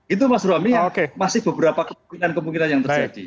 itu mas romy masih beberapa kemungkinan kemungkinan yang terjadi